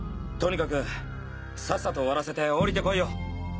とにかくサッサと終わらせて降りて来いよ。